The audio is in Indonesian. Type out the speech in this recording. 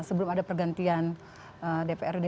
sebelum ada pergantian dprd